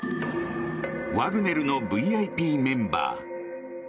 ワグネルのＶＩＰメンバー。